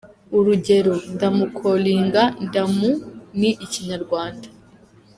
Urugero : “ndamukolinga”, ndamu- ni Ikinyarwanda.